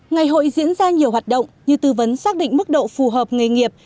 ngày hội diễn ra nhiều hoạt động như tư vấn xác định mức độ phù hợp nghề nghiệp